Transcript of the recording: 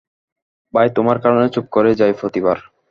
ভাই তোমার কারনে চুপ করে যাই, প্রতিবার।